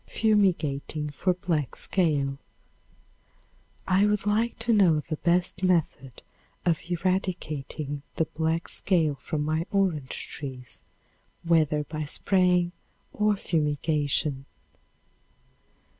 Fumigating for Black Scale. I would like to know the best method of eradicating the black scale from my orange trees, whether by spraying or fumigation?